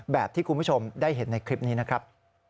แบบที่คุณผู้ชมได้เห็นในคลิปนี้นะครับ